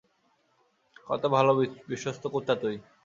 কত ভালো বিশ্বস্ত কুত্তা তুই?